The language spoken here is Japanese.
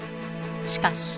しかし。